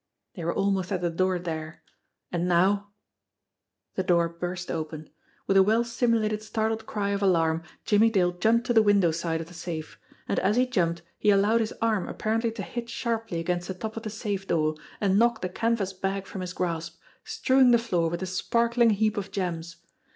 They were almost at the door there. And now The door burst open. With a well simulated startled cry of alarm, Jimmie Dale jumped to the window side of the safe and as he jumped he allowed his arm apparently to hit sharply against the top of the safe door and knock the canvas bag from his grasp, strewing the floor with a sparkling heap of gems.